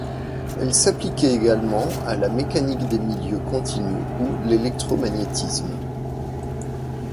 Elle s'applique également à la mécanique des milieux continus ou l'électromagnétisme.